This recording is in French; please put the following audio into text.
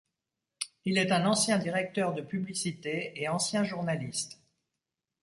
Il est un ancien directeur de publicité et ancien journaliste.